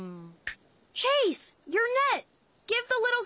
うん。